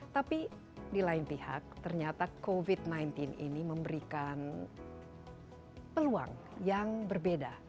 tapi di lain pihak ternyata covid sembilan belas ini memberikan peluang yang berbeda